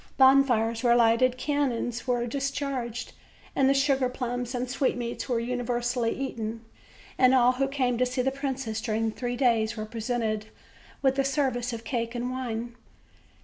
Bonfires were lighted, cannons were discharged, and sugar plums and sweetmeats were universally eaten; and all who came to see the princess during three days were presented with a service of cake and wine.